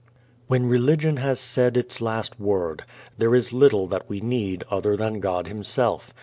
When religion has said its last word, there is little that we need other than God Himself.